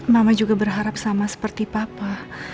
mama juga berharap sama seperti papa